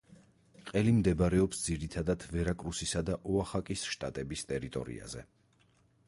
ყელი მდებარეობს ძირითადად ვერაკრუსისა და ოახაკის შტატების ტერიტორიაზე.